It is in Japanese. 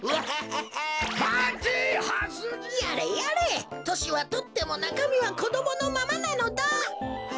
やれやれとしはとってもなかみはこどものままなのだ。